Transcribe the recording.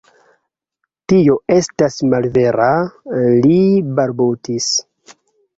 Tio estas malvera, li balbutis.